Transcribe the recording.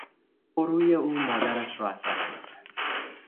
پررویی او مادرش را عصبانی کرد.